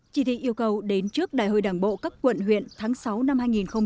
chỉ thị yêu cầu đến trước đại hội đảng bộ các quận huyện tháng sáu năm hai nghìn hai mươi